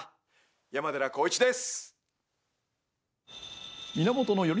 山寺宏一です。